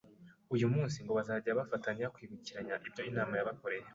uyu munsi ngo bazajye bafatanya kwibukiranya ibyo Imana yabakoreye,